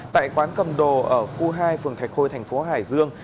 tại quán cầm đồ ở khu hai phường thạch khôi tp hải dương